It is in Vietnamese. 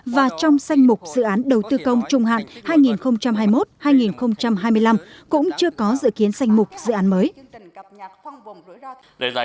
và trong sanh mục dự án đầu tư công trung hạn hai nghìn hai mươi một hai nghìn hai mươi năm cũng chưa có dự kiến sanh mục dự án mới